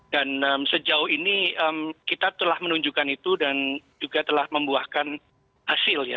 dan sejauh ini kita telah menunjukkan itu dan juga telah membuahkan hasil ya